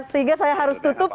sehingga saya harus tutup